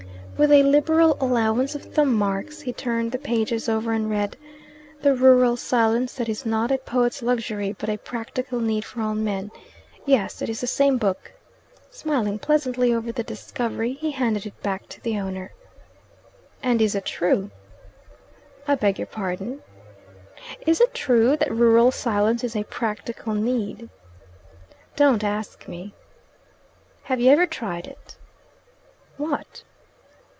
With a liberal allowance of thumb marks, he turned the pages over and read, "'the rural silence that is not a poet's luxury but a practical need for all men.' Yes, it is the same book." Smiling pleasantly over the discovery, he handed it back to the owner. "And is it true?" "I beg your pardon?" "Is it true that rural silence is a practical need?" "Don't ask me!" "Have you ever tried it?" "What?"